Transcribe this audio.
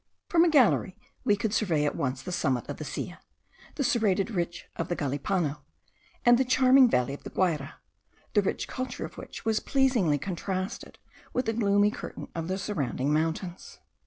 From a gallery we could survey at once the summit of the Silla, the serrated ridge of the Galipano, and the charming valley of the Guayra, the rich culture of which was pleasingly contrasted with the gloomy curtain of the surrounding mountains.